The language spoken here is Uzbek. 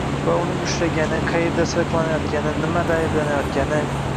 va uning ushlangani, qayerda saqlanayotgani, nimada ayblanayotgani